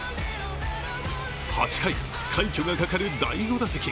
８回、快挙がかかる第５打席。